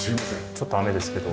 ちょっと雨ですけど。